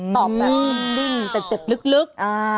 ตอบแบบฟูรฮระหว่างดิ้งแต่เจ็บลึกลึก